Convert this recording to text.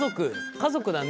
家族だね。